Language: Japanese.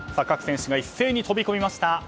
各選手が一斉に飛び込みました。